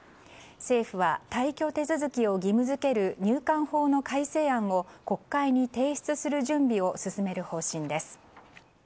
政府は退去手続きを義務付ける入管法の改正案を国会に提出する準備を進める方針です。